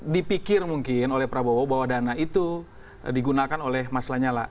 dipikir mungkin oleh prabowo bahwa dana itu digunakan oleh mas lanyala